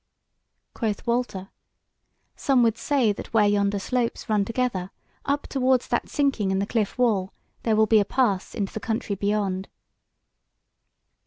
Quoth Walter: "Some would say that where yonder slopes run together up towards that sinking in the cliff wall there will be a pass into the country beyond."